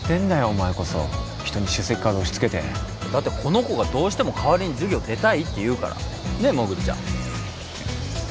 お前こそ人に出席カード押しつけてだってこの子がどうしても代わりに授業出たいっていうからねえモグリちゃんえっ？